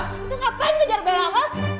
itu ngapain kejar bella ha